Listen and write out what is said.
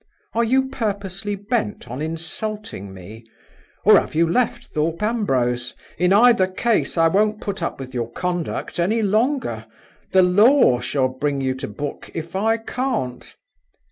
Are you purposely bent on insulting me? or have you left Thorpe Ambrose? In either case, I won't put up with your conduct any longer. The law shall bring you to book, if I can't.